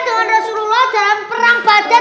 dengan rasulullah dalam perang badan